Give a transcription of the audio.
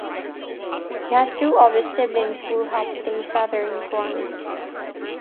He has two other siblings who help their father in farming.